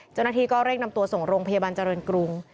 เจ้าหน้าที่ก็เร่งนำตัวส่งโรงพยาบาลเจริญกรุง